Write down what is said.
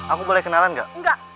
aku boleh kenalan gak